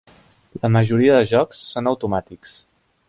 La majoria de jocs són automàtics.